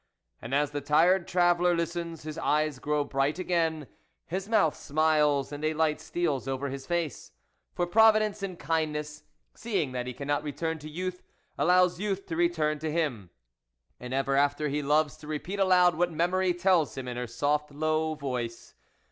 And as the tired traveller listens, his eyes grow bright again, his mouth smiles, and a light steals over his face. For Provi dence in kindness, seeing that he cannot return to youth, allows youth to return to him. And ever after he loves to repeat aloud what memory tells, him in her soft, low voice.